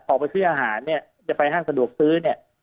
ออกไปซื้ออาหารเนี่ยจะไปห้างสะดวกซื้อเนี่ย